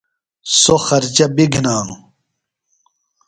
سوۡ خرچہ بیۡ گِھنانوۡ۔